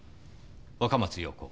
若松陽子